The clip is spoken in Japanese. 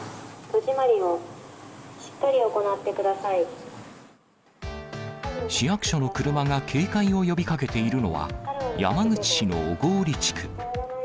戸締まりをしっかり行ってくださ市役所の車が警戒を呼びかけているのは、山口市の小郡地区。